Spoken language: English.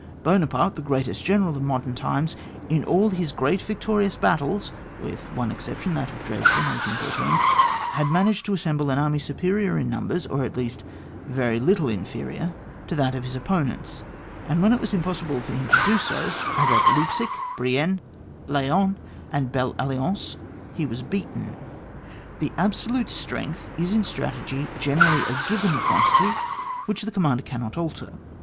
Buonaparte, the greatest general of modem times, in all his great victorious battles — with one exception, that of Dresden, 1813 — had managed to assemble an army superior in numbers, or at least very little inferior, to that of his opponent, and when it was impossible for lum to do so, as at Leipsic, Brienne, Laon, and Belle Alliance, he was beaten. The absolute strength is in strategy generally a given quantity, which the commander cannot alter.